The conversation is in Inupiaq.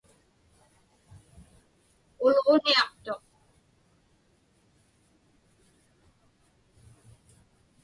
Ulġuniaqtuq.